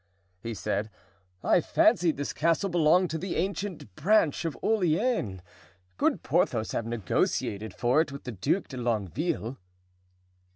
he said, "I fancied this castle belonged to the ancient branch of Orleans. Can Porthos have negotiated for it with the Duc de Longueville?"